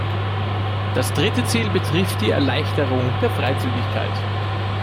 Das dritte Ziel betrifft die Erleichterung der Freizügigkeit.